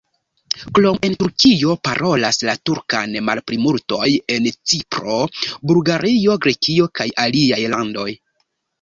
Krom en Turkio, parolas la turkan malplimultoj en Cipro, Bulgario, Grekio kaj aliaj landoj.